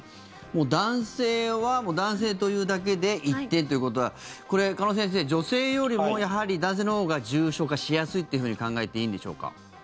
男性は、男性というだけで１点ということは鹿野先生、女性よりもやはり男性のほうが重症化しやすいって考えていいんでしょうか？